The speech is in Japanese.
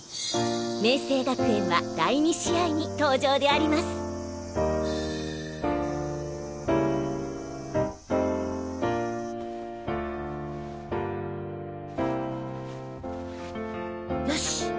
明青学園は第２試合に登場でありますよし！